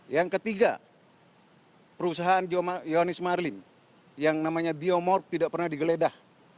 yang ketiga perusahaan yonis marlim yang namanya biomorp tidak pernah digeledah